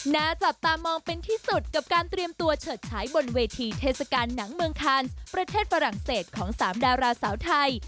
หน้าจับตามองเป็นที่สุดกับการเตรียมตัวเฉิดฉายบนเวทีเทศกาลหนังเมืองคานประเทศฝรั่งเศสของ๓ดาราสาวไทย